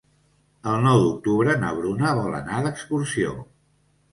El nou d'octubre na Bruna vol anar d'excursió.